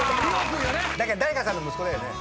誰かさんの息子だよね。